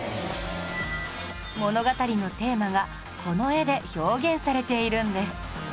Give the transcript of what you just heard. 物語のテーマがこの絵で表現されているんです